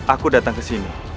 aku datang kesini